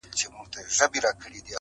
د کتلو د ستایلو نمونه وه-